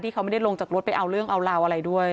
เขาไม่ได้ลงจากรถไปเอาเรื่องเอาราวอะไรด้วย